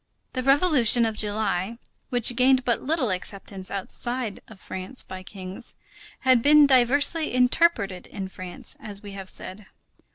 The Revolution of July, which gained but little acceptance outside of France by kings, had been diversely interpreted in France, as we have said.